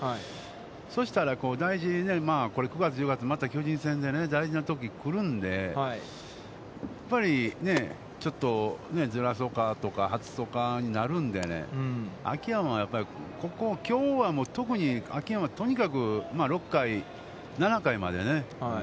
そしたら、大事に、これ９月１０月また巨人戦で大事なとき来るんで、やっぱりちょっとずらそうかとか、外そうかになるんで、秋山はやっぱりここ、きょうは特に秋山はとにかく、６回、７回までね。